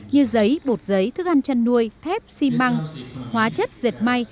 như giấy bột giấy thức ăn chăn nuôi thép xi măng hóa chất dệt may